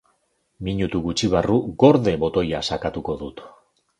"Minutu gutxi barru "gorde" botoia sakatuko dut."